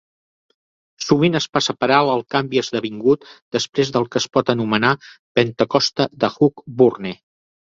Sovint es passa per alt el canvi esdevingut després del que es pot anomenar "Pentecosta de Hugh Bourne".